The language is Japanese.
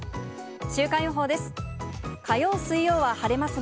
週間予報です。